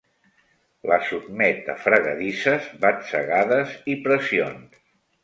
La sotmet a fregadisses, batzegades i pressions.